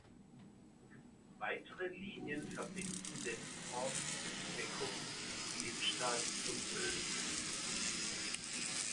Weitere Linien verbinden den Ort mit Beckum, Lippstadt und Oelde.